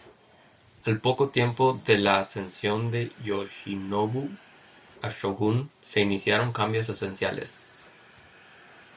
Al poco tiempo de la ascensión de Yoshinobu a shōgun, se iniciaron cambios esenciales.